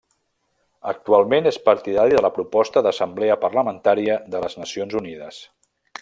Actualment és partidari de la proposta d'Assemblea Parlamentària de les Nacions Unides.